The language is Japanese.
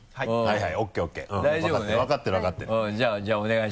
はい。